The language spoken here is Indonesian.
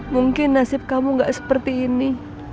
mungkin nasib kamu gak seperti ini